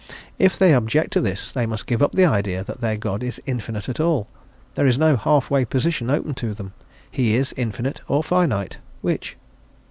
If they object to this, they must give up the idea that their God is infinite at all; there is no half way position open to them; he is infinite or finite, which?